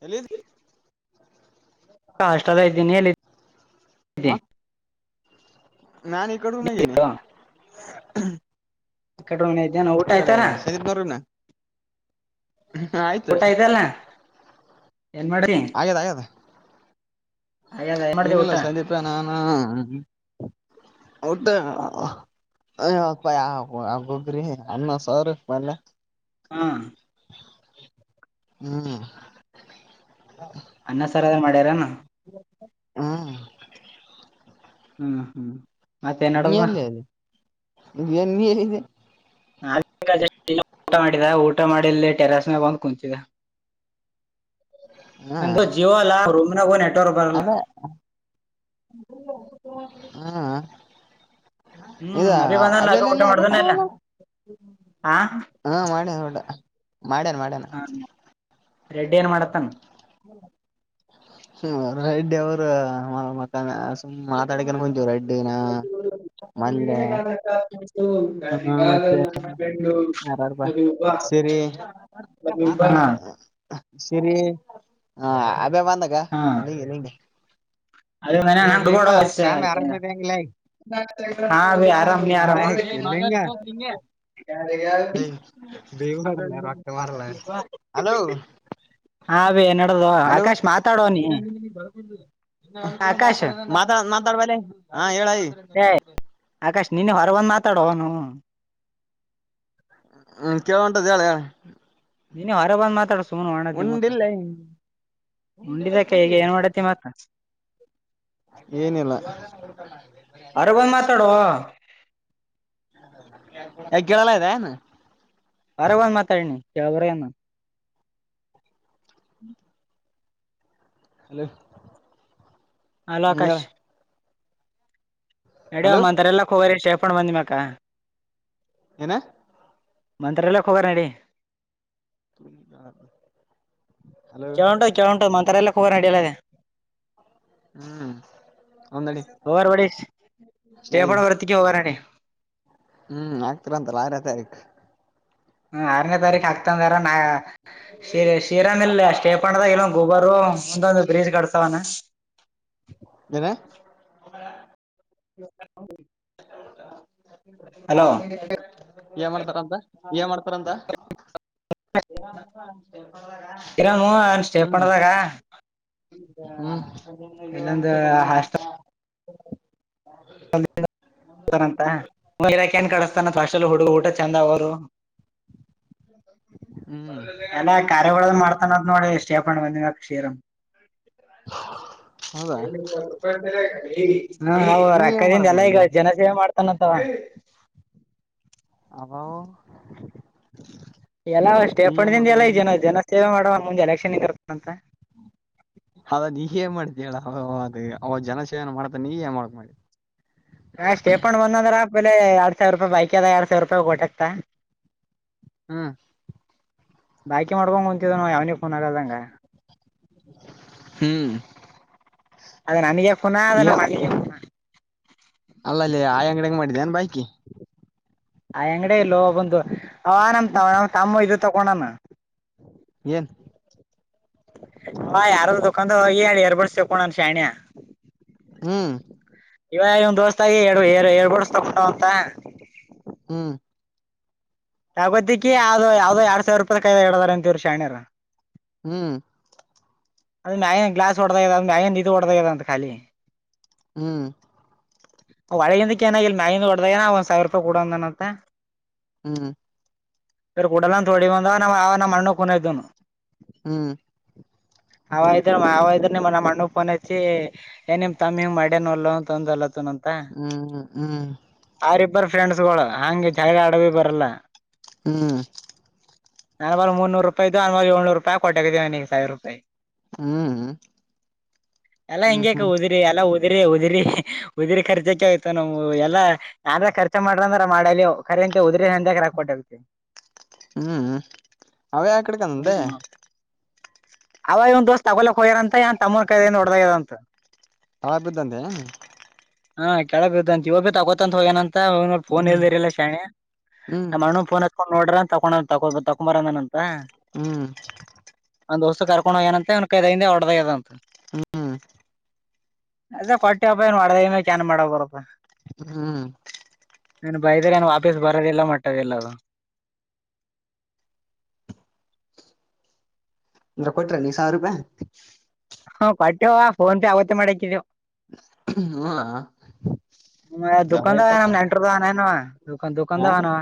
ಹೇಳಲ್ಲಿನು hostel ಇದ್ದೀನಿ ಎ ನಾನ ಇ ಕಡು ನ ಇನೆ ಕಡೆ ಮನೆ ಇದ್ದೇನ ಊಟ ಇ ಕಡೆ ಆಯ್ತಾರ ಸೀಗಣ ಹ ಆಯ್ತು ಊಟ ಆಯ್ತಲ್ಲ ಏನ್ ಮಾಡ್ದಿ ಆದ ಆ್ಯದ ಆಗ್ಯದ ಏನ್ ಮಾಡ್ದಿ ಏನಿಲ್ಲ ಊಟ ಸಂದೀಪಾನ ಹಾ ಊಟ ಆ ಆ ಗೋಗರಿ ಆ ಸ ಮಲ್ಲ ಹ್ಮ ಹ್ಮ್ ಅನ್ನ ಸರ್ ಅದ್ರ್ ಮಾಡ್ಯಾರನಾ ಹ್ಮ್ ಹ್ಮ್ ಹ್ಮ್ ಮತ್ತೇನ್ ನೀ ನಡದ ಎಲ್ಲಿ ಅದೆ ನೀ ಎಲ್ಲಿದೆ ಊಟ ಮಾಡಿದ ಊಟ ಮಾಡಿ ಟೆರಸ್ ಮೇ ಬಂದು್ ಕುೂಂತಿದ ನಂಗ ಜೀವ ಅಲ್ಲ ರೂಮ ಅದೇ ಹಾ ಹ್ಮ್ ಇದಾ ಅಭಿ ಬಂದಲ್ಲ ಅಬಲ ಅಭಿ ಊಟ ಎಲ್ಲ ಮಾಡ್ದನ ಇಲ್ಲ ಹಬೇಕಲ್ಲ ಹಾ ಹಾ ಮಾಡಿ ಹೊಡ ಮಾಡ್ಯನ ಮಾಡ್ಯನ ರೆಡ್ಡಿಯಾನ ಮಾಡಡತಣ ರೈಡ್ಡ್ಯ ವ ಮಕಾನ ಅ ಮ ಕೊಂ ರೆಡ್ಿನ ಮಜೆ ಹ್ಮ ಮತ್ತೆ ಯಪಾ ಸರಿ ಹಾ ಸರಿ ಹ ಅಬೆ ಬಂದಾಗಗೆ ನಿಂಗಗೆ ಅದ ಮ ನಂ ಕೂಡ ಆಯ್ ಸ್ವಾಮಿ ಆರಾಮಿದಂಗಿಲ್ಲ ಹಾ ಆರಾಮ್ ನೀ ಆರಾಮ್ ಮಂಗ ದೇವ ಮಾಡಡಲ್ಲ ರೊಟ ಬರಲ್ಲ ಹಲೋ ಹಾ ಭೇ ನಡದು ಹಲೋ ಆಕಾಶ್ ಮಾತಾಡುವ ನೀಿ ಮಾತಾ ಮಾತಾಡ್ಬೇಾಲೆ ಹಾ ಹೇಳೈ ಏ ಆಕಾಶ್ ನೀನ್ನ ಹೊರ ಒಂದ್ ಮಾತಾಡುವನು ಹ್ಮ್ ಕೇಳ ಉಂಟ್ದ ಹೇಳಳ ನೀನ್ನ ಹೊರ ಬಂದ್ ಮಾತ್ರ ಮಡ ಸುಮನ್ ಮಾಡತಿ ಮ ಉಂಡಿಲ್ಲ ಉಂಡಿದಕ ಈಗ ಕುಂಡಿ ಏನ್ ಮಾಡತಿ ಮತ್ತ ಏನಿಲ್ಲ [inaudible] ಹೊರ ಬಂದ್ ಮಾತಾಡೋ [inaudible] ಎಗೆಳಾಲ ಇದ ನು ಆರ ಒಂದ್ ಮಾತಾಡಿನಿ ಕೇಳಬ್ರ ನು ಹ್ಮ್ ಹಲೋ [inaudible] ಹ್ಮ ಹೇಳ ಹಲೋಕಾಶ್ ನಡ ಒ ಹಲೋ ಅಂರೆ ಎಲ್ಲಕ್ ಹೋಗರಿ ಶೇಫಣ್ ಬಂದಿ ಮಕ್ಕ ಏನು ಮಂತ್ರಲ್ಲಕ್ಕೋಗರಣಡಿ ತುರಿ ನ [inaudible] ಕೆೇಳ ಉಂಟು ಕೆೇಳ ಉಂಟು ಮಂತ್ರ ಎಲ್ಲ ಕೂರ್ ನಡಿಯಲ್ಲ ಅದೆ ಹ್ಮ್ ಹೌದ್ ನಡಿ ಅವ ಬಡಿ ನಡಿ ಸ್ಟೇಫಡ್ ವರ್ತಿಗೆ ಹರಿ ಹ್ಮ್ ಆಗ್ತಿರ ಅಂತಲ್ಲ ಆರೇ ತಾರೀಕ ಹ್ಮ ಆರನೇ ತಾರೀಖ ಆಕ್ತಂದಾರ ನಾ ಶ ಶಿರನ್ ಇಲ್ಲ ಸ್ಟೇಪಂಡದಾಗ ಇಲ್ಲೊ ಗೊಬರು ಮುಂದೊಂದು ಬ್ರೀಜ್ ಕಡ್ತಾವನ ಏನೇ ಹ ಹೌ [inaudible] ಹಲೋ ಏನ್ ಮಾಡ್ತಾರ ಅಂತ ಏನ್ ಮಾಡ್ತಾರಂತ ಇರಾಮ ಅವನ್ ಸ್ಟೇ ಪದಾಗ ತ [inaudible] ಇಾಖೆ ಕಡಿಸತಾನ ಫಲ್ಲಿ ಹುಡುಗ ಊಟ ಚೆಂದ ಅವರು [inaudible] ಹ್ಮ್ ಎಲ್ಲ ಕಾರ್ಯ ಮಾಡ್ತಾನದ್ ನೋಡಿ ಸ ಬಂದ ಅಕ್ಷಷರಂ [inaudible] ಹೌದಾ ಹ ನೀ ಹೌದಣ ನೀ ಏನ್ ಕೈ ದಿಂದ ಮಾಡಕ್ ಎಲ್ಲ ಈಗ ಮಾಡಿದ್ಯಾ ಜನ ಸೇವೆ ಮಾಡ್ತಾನತ್ತವ ಅದು ಎಲ್ಲಷ್ಟೇ ಪಂಡದಿಂದ ಎಲ್ಲನ ಜನ ಸೇವೆ ಮಾಡುವವ ಮುಂದೆ ಎಲೆಕ್ಷನ್ ಇರತ್ತ ಅಂತ ಹ್ಮ ಅದ ನೀಏನ್ ಮಾಡಿದ್ದ ಹೇಳ ಅವ ಅ ಅವ ಜನ ಸೇವನ ಮಾಡ್ತ ನೀ ಯಾವಾಗ್ ಮಾಡಿ ಹಾ ಸ್ಟೇ ಪೊಂಡ್ ಬಂದಂದ್ರ ಬೆಲೆ ಎರಡ್ ಸಾವಿರ ರೂಪಾಯಿ ಬೈಕ್ ಅದ ಎರಡ್ ಸಾವಿರ ರೂಪಾಯಿ ಟಕ್ತ ಹಾ ಬಾಕಿ ಮಾಡ್ಕೊಂಡಂತಿದ್ದ ನ ಯಾವನಿ ಫೋನ್ ಆಗದಂಗ ಹ್ಮ್ ಅದ ನನಗೆ ಫೋನಾ ಅದ ನ ಮನಿಗೆಫೋನಾ ಅಲ್ಲ ಅಲ್ಲಿ ಆಯಾ ಅಂಗಡ ಹಂಗ್ ಮಾಡಿದ್ದನ್ ಬಾಕಿ ಆ ಅಂಗಡ ಇಲ್ಲೋ ಬಂದು ಅವ ನಮ್ ಹ್ಮ್ ತ ನ ಕಮ್ಮು ಇದು ತಗೊಂಡನ ಏನ್ ಹಾ ಯಾರ ದದುಕನ್ದ ಏ ಏರ್ ಬಡ್ತ ಕೋಣನ್ ಶಣಿಯ ಹ್ಮ್ ಇವಾಗ ಇನ್ ದೋಸ್ತಾಗಿ ಎ ಎಡ್ಬಡಸ್ ತಕೊಂಡ್ ಅಂತ ಹ್ಮ್ ತಗೋತಿ ಯಾವ್ದೋ ಯಾವ್ದೋ ಎರಡ್ ಸಾವಿರ ರೂಪಾಯಿ ಕಾಯ್ದಾ ಹೇಳಡದಾರ ಅಂತೀವ್ರ ಶಣರ ಹ್ಮ್ ಅದ ಮ್ಯನ್ ಗ್ಲಾಸ್ ಹೊಡೆದಾಗದ ಮನ್ ಇದು ಹೊಡೆದಾಗದ ಅಂತ ಖಾಲಿ ಹ್ಮ್ ಒಳಗಿಂದಕ್ಕೆ ಏನಾಗಿಲ್ ನಾಯಿಂದ ಹೊಡದ್ದಾಗನ ಒಂದ್ ಸಾವಿರ ರೂಪಾಯಿ ಕೂಡಂದನಂತೆ ಹ್ಮ್ ಸರ್ ಕುಡಲ್ಲ ತೋಡಿ ಬಂದ ನ ನಮ್ಮ ಅಣ್ಣ ಕುನ್ದನು ಹ್ಮ್ ಅವ ಇದ್ರ ಅವ ಇದ್ರ ನಿಮ್ಮ ನಮ್ಮ ಮಣ್ಣ ಪೋನ್ಚ ಏನ್ ನಿಮ್ ತಮ್ಮಿ ಮಡ್ಯನಲ್ಲ ಅಂತೊಂದಲ್ಲ ಅಂತ ಹ್ಮ್ ಹ್ಮ್ ಹ್ಮ್ ಆರಿಫ್ ಬರ ಫ್ರೆಂಡ್ಸ್ಗಳು ಹಂಗೆ ಜಾಗ ಆಡವಿ ಬರಲ್ಲ ಹ್ಮ್ ನನ್ ಮಲ್ ಮುರುೂರುಪಾಯ್ದು ಅನ್ ಮಲ್ ಏಳ್ನೂರುಪಾಯಿ ಕೊಟ್ಟೋಗಿದ್ದೀವನ ಸಿರ ರೂಪಾಯಿ ಎಲ್ಲ ಹ್ಮ್ ಹ್ಮ್ ಹಿಂಗಕ ಹ್ಮ್ ಹೋದ್ರಿ ಎಲ್ಲ ದ ಉದ್ರಿ ಉದಿರಿ ಉದಿ್ರ ಖರ್ಕ್ಕೆೆ ಆಯ್ತು ನಮ ಎಲ್ಲ ನ್ರ ರ್ಚ ಮಾಡ್ರಂದ್ರ ಮಾಡರ ಉದ್ರ ಹಂದಕ ಹಾಕಟ್ಟತಿ ಹ್ಮ್ ಅವೇ ಆ ಕಡೆಕಂದಂದೆ ಹ್ಮ ಅವ ಇವ್ ದೋಸ್ ತಗೋಕ್ ಹೋಗ್ಯಾರ ಅಂತ ಏ ತಮ್ಮನ ಕೈದಏ ನಡದ್ಯದ ಅಂತ ಹಂತದಂದೆ ಹಾ ಕೆಳ ಬಿದ್ದಂತ ಇಗ್ ಬಿ ತಗೋತಂತ ಹೋಗೇನಂತ ಫೋನ್ ಹ್ಮ್ ಇಲ್ದಿರಿಲ್ಲ ಶಣಿ ಹ್ಮ್ ನಮ್ಮ ಅಣ್ಣನ್ ಫೋನ್ ಹತ್ಕೊಂಡ್ ನೋಡ್ರ ತೊೊಂಡ ತೊ ತಗೊಂಬಾರ ನ ಹ್ಮ್ ನನ್ ದೋಸ್ತು ಕರ್ಕೊಂಡ ಹೋಗೇಏನಂತೆ ಒನ್ ಕೈದ ಹಿಂದ ಹೊಡದಾಗ್ಯದಂತ ಹ್ಮ ಅದ ಕೊಟ್ಟ್ಯವಪ್ಪ ಏನು ಮಾಡಡದ ಚನ್ ಮಾಡ ಬರಪ್ಪಾ ಹ್ಮ್ ನನ್ ಬೈದ್ರ ನನ್ ವಾಪೀಸ್ ಬರೋದ ಎಲ್ಲ ಮಟ್ಟದ ಎಲ್ಲದು [inaudible] ಅಂದ್ರ ಕೊಟ್ರ ನೀ ಸಾವಿರ ರೂಪಾಯಿ ಹಾ ಕಟ್ಟವ ಫೋನ್ಂತ ಯಾವತ್ತೇ ಮಾಡಾಕಿದವು ಹ್ಮ ಚಲ ಆಯ್ತ ದದುಕಾನದಾರಮ್ಮ ನೆಟ್ಟ್ರದನನು ದುಖ ಹ ದುಖನ್ದವನವ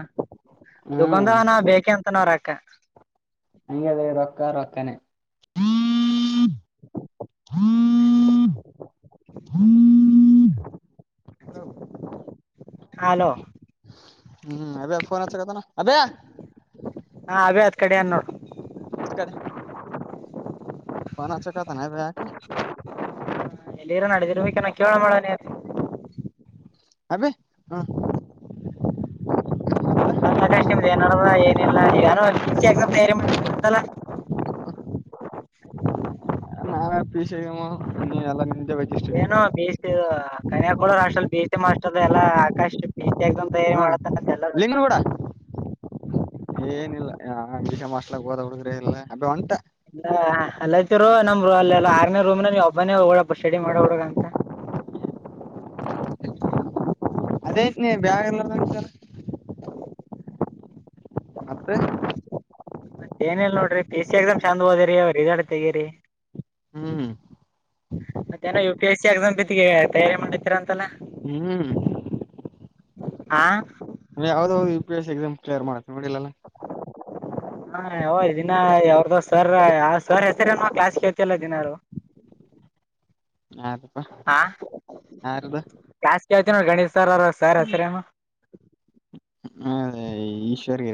ಹ್ಮ್ ದುಖನ್ದವನ ಬೇಕೆ ಅಂತ ನ್ರಕ್ಕ ಹಂಗದೇ ರೊಕ್ಕ ರೊಕ್ಕಾನೆ [inaudible] [inaudible] ಹಲೋ ಹಲೋ ಹ್ಮ್ ಅಭಯ ಫೋನ್ ಅಚ್ಚಕಥನ ಅಭಯಾ ಹಾ ಅವೇ ಅದ್ ಕಡೆ ಅದ್ ನೋಡು [unintelligible] ಫೋನ್ ಅಚ್ಚಕತನ ಅಬೆಯ ಯಾಕೆ. ಎಲ್ಲಿರೋ ನಡಿದಿರ್ಬೇಕೇಕಾನ ಕೇಳೋ ಮಾಡೋನಿನ್ ಅಬಿ ಹಾ ಮತಾ ಅಕಾಶ್ ನಿಮ್ದ್ ಏನಡ್ರ ಏನಿಲ್ಲ ಯಾರ್ ಸಿಸಿ ಎಕ್ಸಾಮ್ ತಯಾರಿ ಮಾಡನಂತಲ್ಲ. ನಾನ ಪಿಸಿ ಎಕ್ಸಾಮ್ [unintelligible] ನೀನ್ನ ಎಲ್ಲ ನಿ [unintelligible] ಏನು ಬಸ [unintelligible] Kanyakolur hostel B C M ಎಲ್ಲಾ ಆಕಾಶ ಬಸ [unintelligible] ಹಾ [unintelligible] ಏನಿಲ್ಲ ಯಾವ್ ಬಿಸಿಎಂ ಹಿಸ್ಟಲ್ ಚನ್ನಾಗಿ ಓದ ಹುಡುಗರೇ ಇಲ್ಲ ಅದು ಅಂತ ಅಲ್ಲಿ ಅನ್ನತಿರು ನಮ್ಮ ಅಲ್ಲ ಆಗ್ನೇ ರೂಮ್ನ ನೀವು ಒಬ್ಬನೇ ಹೋಗಡಪ್ಪ [unintelligible] ಸ್ಟಡಿ ಮಾಡ ಹಡುಗ ಅಂತ [inaudible] ಅದೇ ಅಂತೀನಿ ಬೆಲ್ ಇರ್ಲಾರ್ದಗ. ಹ [inaudible] ಅಪ್ಪೆ ಮತ್ತ ಏನಲ್ ನೋಡ್ರಿ ಪಿ ಎಸ್ ಸಿ ಎಕ್ಸಾಮ್ ಚೆಂದ್ ಹೋದಿರಿ ಅವ ರಿಸಾಲ್ಟ್ ತೆಗಿರಿ. ಹ್ಮ್ ಮತ್ತೇಏನೋ U P S C exam ಬಿದ್ದಗೆ ತಯಾರಿ ಮಾಡತೀರಾ ಅಂತಲ್ಲ ಹ್ಮ್ ಹಾ ಯಾವದಾವ್ದ್ ಯು ಪಿ ಎಸ್ ಎಕ್ಸಾಮ್ಲಿಯರ್ ಮಾಡೆ ನಡಿಲಿಲ್ಲಲ್ಲಾ ಹಾ ಯ ಇದಿನ ಯಾವ್ದೋ ಸರ್ ಯಾವ ಸರ್ ಹೆಸರನು ಕ್ಲಾಸ್ ಕೇಳ್ತಿಲ್ಲ ದಿನಾಲು. ಯಾರಪ್ಪ ಹಾ ಯಾರ್ದ ಯಾವ್ ಸ್ ಕೇಳ್ತಿ ನೋಡಿ ಗಣಿತ ಸರ್ ಅವ್ರಾ ಸಾರ್ ಹೆಸರ ಏನು ಈ ಈಶ್ವರ್ಗಿ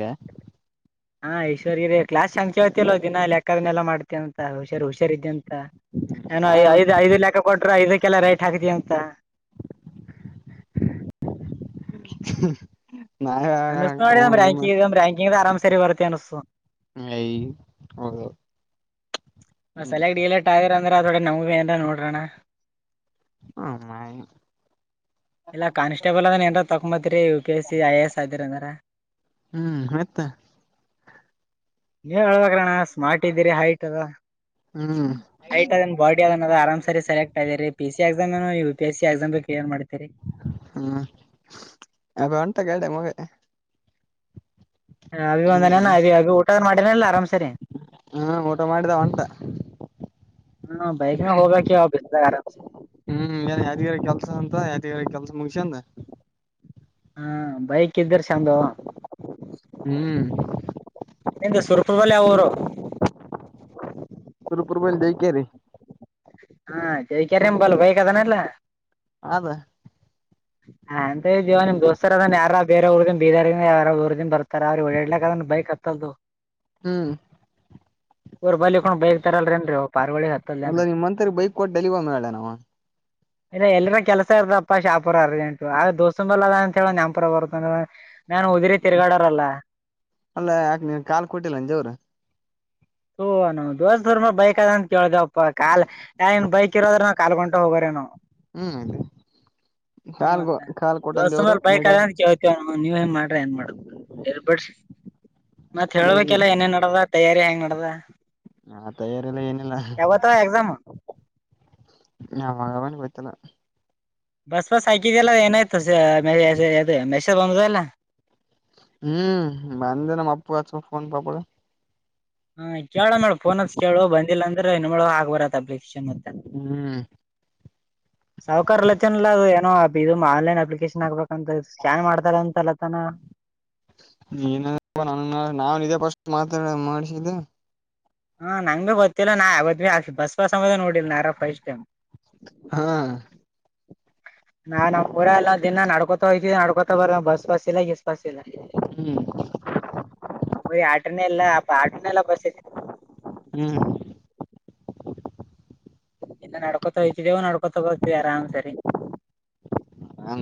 ಹಾ ಈಶ್ವರ್ರಿ ಕ್ಲಾಸ್ ಸಂದ್ ಕೇಳ್ತೀಯೋಲ್ಲೋ ದಿನಾ ಲೆಕ್ಕ ಅವೆಲ್ಲ ಮಾಡ್ತೇಂತ ಹುಷಾರ್ ಹುಷಾರ ಇದೆ ಅಂತ. ಏನಐ ನಾವ ಐದು ಐದು ಲೆಕ್ಕ ಕೊಟ್ರ ಇದಕ್ಕೆಲ್ಲ ರೈಟ್ ಹಾಕ್ತಿ ಅಂತ ನಾವ ಕಮನ್ ಇದ್ ಲೆನ್ರಿ ಅರಾಮ ಸರಿ ವರ್ಕೆ ಅನುಸ್ತಾದ ಐ ಹೌದು ಹ್ಮ ಸೆಲೆಕ್ಟ್ ಡಲೆಕ್ಟ್ ಆಗರ ಅಂದ್ರ ಅದ್ರೊಳಗೆ ನಮವೆಂದ್ರೆ ನೋಡ್ರಣ. ಇಲ್ಲ ಕಾನ್ಸ್ಟೇಬಲ್ ಅಂದ್ರ ಏನ್ ತಕೊಂಬತ್ರಿ U P S C I A S ಅದರಿ ಅಂದ್ರ ಮತ್ತೆ ನೀವ ಹೇಳ್ಬೇಕ್ರಣ್ಣ ಸ್ಮಾರ್ಟ್ ಇದ್ದೀರಿ ಹೈಟ್ ಅದ ಹ್ಮ್ ಆಯಟ್ ಅದ ಬಡಿ ಆರ್ಮಸೇ ಸೆಲೆಕ್ಟ್ ಆಗಿರಿ ಪಿ ಸಿ ಎಕ್ಸಾಮ್ ಏನ್ U P S C exam ಬೇಕ ಏನ್ ಮಾಡ್ತೀರಿ. ಹ್ಮ್ ಅ [unintelligible] ಹೊಂತ [unintelligible] ಕೆ ಮಗ ಹ ಅಭಿ ಒಂದನನ ಹ್ಮ್ ಅಭಿ ಅಭಿ ಊಟ ಮಾಡೇನಲ್ಲ ಆರಾಮ್ಸರಿ ಮಾಡಿದಾವ ಅಂತ ಹಾ ಬೈಕ್ ಮೆಲ್ ಹೋಗ ಕೆ ಬಿದ್ದ ಆರಾಮಸೆ ಯಾದಗಿರಿಗ್ ಕೆಲ್ಸ ಅಂತ ಯಾದಿಗಿರಾಯಾಗೇ ಕೆಲ್ಸ ಮುಗಸ್ಯಕ್ಕಂದ ಹಾ ಬೈಕ್ ಇದ್ದರು ಚಂದ ಹ್ಮ್ ನಿಂದ್ ಸುರಪುರ್ ಬಳಿ ಯಾವೂರು ಸುರಪುರ್ ಬಳಿ ದೇವಿಕೆರೆ ಹಾ ದೇವಿಕೆರೆ ನಿಮ್ ಬಲ್ ವೈಕದಾನಲ್ಲ ಅದ ಹಾಂಂತ ಜೀವ ನಿಮ ದೋಸ್ತ ಅದ ಯಾರ ಬೇರೆ ಊಗ ಬಿದರ್ ಯಾವ ಊರಿಂದ ಊರಿಂದ ಬರ್ತಾರ ಅವ್ರ ಓಡಡ್ಲಾಕ್ದ್ ಬೈಕ್ ಅದು ಹ್ಮ್ ರ್ ಬಳ ಇಕ್ಕೊಂಡ್ ಬೈಕ್ ತರಲ್ರೇಏನ್ೀ ಪಾರ್ವಳಿ ಹ ಅಲ್ಲ ನಿಮ್ಮ್ ಅಂತರಿ ಬೈಕ್ ಕೊಟ್ಟಡಲಿವ ಮಲ ನಮ್ಮ ಇ ಎಲ್ರ ಕೆಲ್ಸ ಇರ್ದಪ್ಪಾ ಶಾಪ ಪುರ ಅರ್ಜೆಂಟ್ ಆಗ ದೋಸ್ತಂಬಲ್ಲ ಅ ಅಂತ ಹೇಳ ನನ್ಪುರ ಬರುತ್ತ ನಾನನ್ ಉದಿರಿ ತಿರುಗಾಡಾರಲ್ಲ ಅಲ್ಲ ಯಾಕೆ ನೀನ್ ಕಾಲ್ ಕೊಟ್ಟಿಲ್ಲಂಜವ್ರ ಹೂ ದೋ ಸುರ್ಮ ಬೈಕ್ ಅದಂತ ಕೇಳ್ದವಪ್ಪಾ ಕಾಲ್ನ್ ಬೈಕ್ ಇರೋದ್ರ ನಾವು ಕಾಲ್ಕೊಂಡ ಹೋಗೋ್ರ ಣ ಹ್ಮ್ ಇದೆ ಹ್ಮ ಮ ದೋಸ ಬೈಕ್ ನಡ್ಯಾಕ್ ನೀವ ನ್ ಮಾಡ್ ಏನ್ ಮಾಡ ಮತ್ತ ನೀವು ಹಬೇಕಲ್ಲ ಏನೇನ್ ನಡದ ತಯಾರಿ ಹೆಂಗ ಹದ ಹಾ ತಯಾರಿಲ್ಲ ಏನಿಲ್ಲ [inaudible] ಅನುವತನ ಬಸ್ ಬಸ್ ಸೈಕಿದ ಎಲ್ಲ ಏನಾಯ್ತು ಸ ಅದು ಮೆಸರ್ ಬಂದ ಎಲ್ಲ ಹ್ಮ್ ಬಂದ ನಮ್ಮ ಅಪ್ಪು ಅ ಫೋನ್ ಪಪಡ ಹಾ ಕೇಳ ಮೇಳಫೋನ್ತ್ ಕೇಳು ಬಂದಿಲ್ಲ ಅಂದ್ರೆ ನಿಮಳ ಆಗ್ ಬರತ್ತ ಅ ಬಕ್ಷೆ ಮತ್ತ ಹ್ಮ ಸಾವಕಕಾರಲತನಲ್ಲ ಅದು ಏನೋ ಅ ಆನ್ಲೈನ್ ಅಪ್ಲಿಕೇಶನ್ ಆಾಕ್ಬೇಕಂತ ಸ್ಕ್ಯಾನ್ ಮಾಡ್ತಾರ ಅಂತಲ್ಲತನ ನ ನ ನಾ ಇದ ಪಸ್ಟ್ ಮಾತ ಮಾಡಿಸಿದ್ದೆ ಹಾ ನಂಗ್ ಭೀ ಗೊತ್ತಿಲ್ಲ ನಾ ಯಾವತ್ ಭ ಆಾ ಬಸ್ ಬ ಸಮದ ನೋಡಿಲ್ ನಾರ ಫಸ್ಟ್ ಟೈಮ್ ಹಾ ನಾ ನಾವ್ ಪೂರ ಎಲ್ಲ ದಿನ ನಡ್ಕೊತ ಹೋಗ್ೀವಿ ನಡ್ಕೋತ ಬರ ಬಸ್ ಬಸ್ ಇಲ್ಲ ಎಸ್ ಬಸ್ ಇಲ್ಲ ಹ್ಮ್ ಿ ಆಟನೇ ಇಲ್ಲ ಅ ಆಟನೇಲ್ಲ ಬಸ ಹ್ಮ್ ಇನ್ನು ನಡ್ಕೊತ ಹತಿದೇವು ನಡ್ಕೊತಗೋತೀವಿ ಆರಾಮ್ ಸರಿ ಹಾ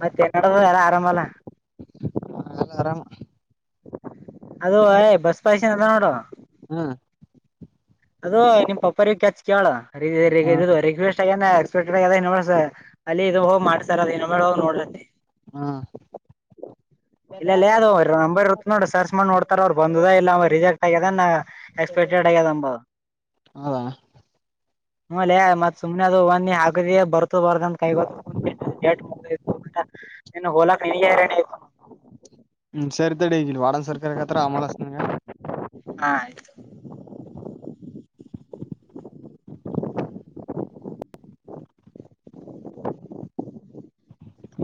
ಮತ್ತ ತೆನ್ನಡದ ಎಲ್ಲ ಆರಾಮ ಅಲ್ಲ ಎಲ್ಲ ಆರಾಮ ಅದು ಯ್ ಬಸ್ ಪಾಯಸೆನ ಅದ ನೋಡ ಹ್ಮ್ ಅದು ನಿಮ್ ಪಪ್ಪ ಕಚ್ ಕೇಳ ಹ್ಮ ರಿಕ್ವೆಸ್ಟ್ ಆಗ ಎಕ್ಪೆಕ್ಟೆಡ್ ಆಗದಸ ಅಲ್ಲಿ ಇದು ಹೋಗಿ ಮಾಡ್ತಾರದು ಇನ್ನೊ ಮೇಳ ಹೋಗಿ ನೋಡ್ರತ್ತೆ ಹ ಇಲ್ಲ ಇಲ್ಲ ಅ್ ಅವ ನಂಬರ್ ಇರುತ್ತ ನೋಡಿ ಸರ್ಚ್ ಮಾಡ ನೋಡ್ತಾರ ಅವ್ ಬಂದದ ಇಲ್ಲ ರಿಜೆಕ್ಟ್ ಆಗ್ಯದ ಎಕ್ಸ್ಪೆಕ್ಟೆಡ್ ಆಗ ದಂಬ ಹೌದಾ ಹಲೆ ಮತ್ ಸುಮ್ನೆ ಅದು ಹ ಒಂದಿ ಆಗದ ಬರ್ತ ಬರ್ದ ಅಂತ ಕೈ ಗೊ ಜಟ್ ಮುಗ ಇತ್ತು ಊಟ ಇನ್ನು ಹೊೋಲಕ್ ಹ್ಮ್ ಸರಿತಗ ವಡಾನ್ ಸರ್ಕಾರ ಕತ್ರ ಅಮಲನೆ ಹಾ ಆಯ್ತು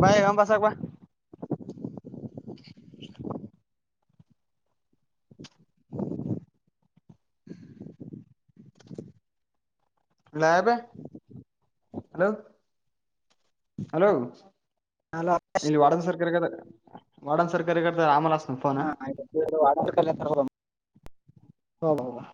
ಬಾಯ ಎ ಬಸಕ್ ಬ ಲಯಬ ಹಲೋ ಹಲೋ ಇಲ್ಲಿ ವಾಡನ್ ಸರ್ಕ ವಾಡನ್ ಸರ್ಕಾರಾರಿಗದ ರಾಮಲಾಸ್ ಹಾ ಆಯ್ತ ಹ ಹ